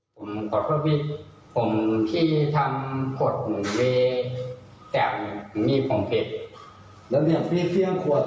ผมขอโทษครับพี่ผมที่ทำผดเหมือนเวแต่มีผงผิด